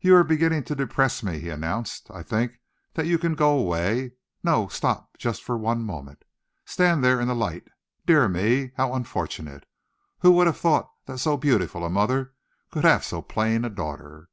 "You are beginning to depress me," he announced. "I think that you can go away. No, stop for just one moment. Stand there in the light. Dear me, how unfortunate! Who would have thought that so beautiful a mother could have so plain a daughter!"